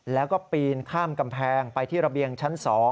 แล้วก็ปีนข้ามกำแพงไปที่ระเบียงชั้น๒